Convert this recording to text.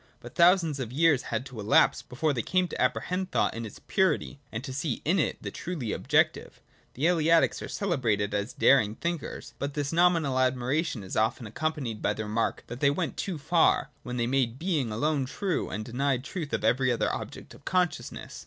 But thousand of years had to elapse before they came to apprehend though in its purity, and to see in it the truly objective. The Elea tics are celebrated as daring thinkers. But this nomine admiration is often accompanied by the remark that the went too far, when they made Being alone true, and deniei the truth of every other object of consciousness.